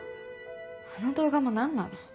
あの動画も何なの？